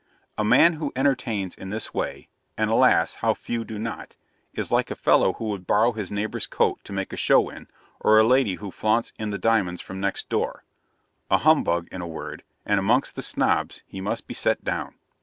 A man who entertains in this way and, alas, how few do not! is like a fellow who would borrow his neighbour's coat to make a show in, or a lady who flaunts in the diamonds from next door a humbug, in a word, and amongst the Snobs he must be set down.